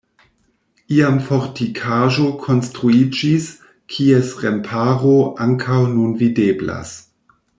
Iam fortikaĵo konstruiĝis, kies remparo ankaŭ nun videblas.